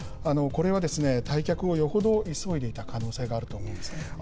これは退却をよほど急いでいた可能性があると思うんですね。